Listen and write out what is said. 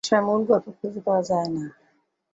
অনেক সময় মূল গল্প খুঁজে পাওয়া যায় না।